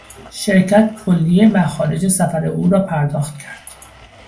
شرکت کلیهی مخارج سفر او را پرداخت کرد.